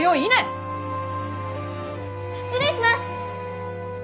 失礼します！